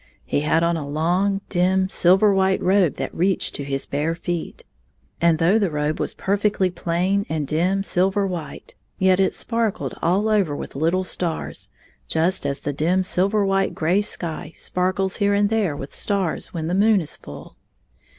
He had on a long, dim, silver white robe that reached to his bare feet, and though the robe was perfectly plain and dim silver white, yet it sparkled all over with Uttle stars, just as the dim silver white gray sky sparkles here and there with stars when the moon is fiill.